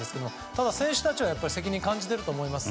ただ、選手たちは責任感じてると思います。